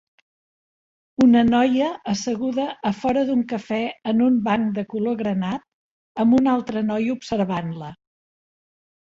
Una noia asseguda a fora d'un cafè en un banc de color granat amb una altra noia observant-la.